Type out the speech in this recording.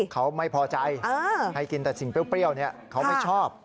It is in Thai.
เขาไม่พอใจให้กินแต่สิ่งเปรี้ยวเขาไม่ชอบ